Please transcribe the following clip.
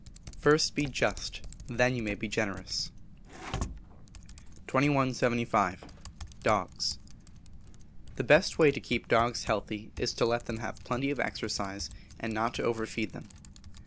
[FIRST BE JUST, THEN YOU MAY BE GENEROUS.] 2175. Dogs. The best way to keep dogs healthy is to let them have plenty of exercise, and not to over feed them.